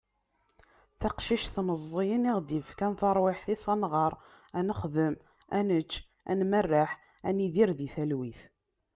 taqcict meẓẓiyen i aɣ-d-yefkan taṛwiḥt-is ad nɣeṛ, ad nexdem, ad nečč, ad merreḥ, ad nidir di talwit